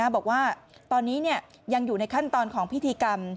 บอกว่าตอนนี้ยังอยู่ในขั้นตอนของพิธีกรรม